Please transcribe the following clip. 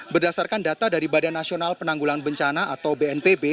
berdasarkan data dari badan nasional penanggulan bencana atau bnpb